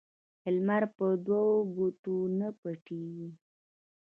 لمرپه دوو ګوتو نه پټيږي